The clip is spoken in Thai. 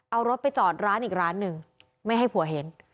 เอารถไปจอดร้านอีกร้านหนึ่งไม่ให้ผัวเห็น